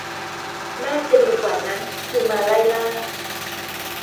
น่าจะดีกว่านะ คือมาไล่ล่า